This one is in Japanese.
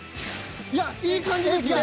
いやいい感じですよ